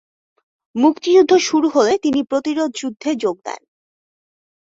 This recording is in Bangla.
মুক্তিযুদ্ধ শুরু হলে তিনি প্রতিরোধযুদ্ধে যোগ দেন।